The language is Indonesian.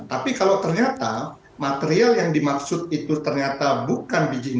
tapi karena material yang dimaksudnya soalnya bukan biji nikel